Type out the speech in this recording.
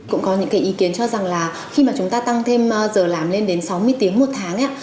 cũng có những cái ý kiến cho rằng là khi mà chúng ta tăng thêm giờ làm lên đến sáu mươi tiếng một tháng